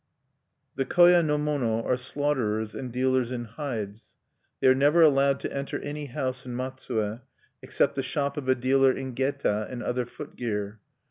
"The koya no mono are slaughterers and dealers in hides. They are never allowed to enter any house in Matsue except the shop of a dealer in geta and other footgear.